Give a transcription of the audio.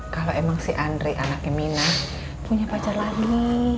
kalau emang si andri anaknya mina punya pacar lagi